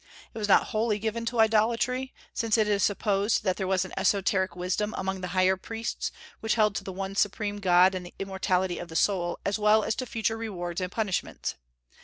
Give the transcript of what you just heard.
It was not wholly given to idolatry, since it is supposed that there was an esoteric wisdom among the higher priests which held to the One Supreme God and the immortality of the soul, as well as to future rewards and punishments.